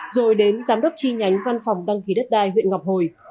rồi đến giám đốc chi nhánh văn phòng đăng ký đất đai huyện ngọc hồi